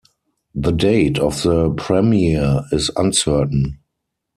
The date of the premiere is uncertain.